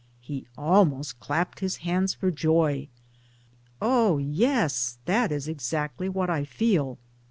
He almost clapped his hands for joy. "Oh yes, that is exactly what I feel."